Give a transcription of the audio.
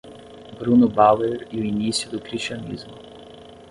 Bruno Bauer e o Início do Cristianismo